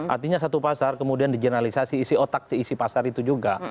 artinya satu pasar kemudian dijenalisasi isi otak seisi pasar itu juga